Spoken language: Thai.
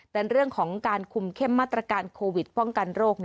แต่เรื่องของการคุมเข้มมาตรการโควิดป้องกันโรค